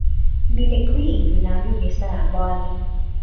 มีเด็กผู้หญิงหิวน้ำอยู่ในสนามบอล